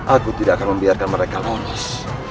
aku tidak akan membiarkan mereka lolos